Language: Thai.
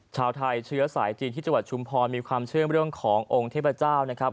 ชาวไทยเชื้อสายจีนที่จังหวัดชุมพรมีความเชื่อมเรื่องขององค์เทพเจ้านะครับ